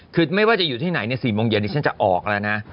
คือไม่ว่าจะอยู่ที่ไหน๔โมงเย็นดิฉันจะออกแล้วนะ